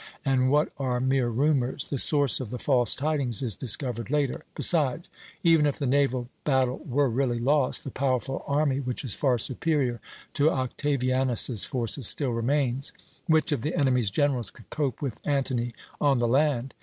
And what are mere rumours? The source of the false tidings is discovered later. Besides, even if the naval battle were really lost, the powerful army, which is far superior to Octavianus's forces, still remains. Which of the enemy's generals could cope with Antony on the land?